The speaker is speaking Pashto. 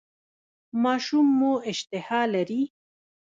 ماشوم مو اشتها لري؟